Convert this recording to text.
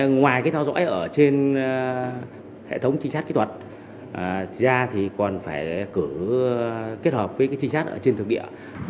ngoài theo dõi ở trên hệ thống trinh sát kỹ thuật ra thì còn phải cử kết hợp với trinh sát ở trên thực địa